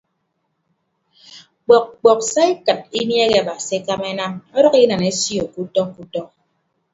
Kpok kpok saikịd inieehe aba se ekama enam ọdʌk inan esio kutọ kutọ.